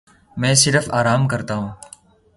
میں صرف آرام کرتا ہوں۔